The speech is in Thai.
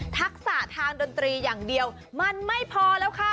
ทักษะทางดนตรีอย่างเดียวมันไม่พอแล้วค่ะ